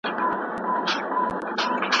موږ د خپلو مشرانو فکري میراث په مینه ساتو.